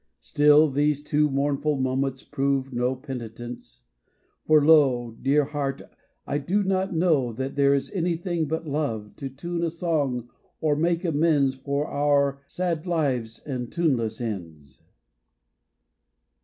Still these too mournful moments prove No penitence, for lo ! Dear heart, I do not know That there is anything but love To tune a song or make amends For our sad lives and tuneless ends.